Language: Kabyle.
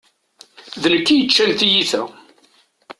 D nekk i yeččan tiyita.